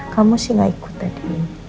kamu sih gak ikut tadi